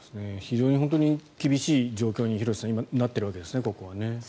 非常に厳しい状況に廣瀬さんなっているわけですね。